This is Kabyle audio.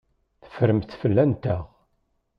Teffremt fell-anteɣ.